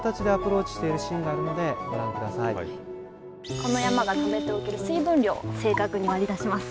この山がためておける水分量を正確に割り出します。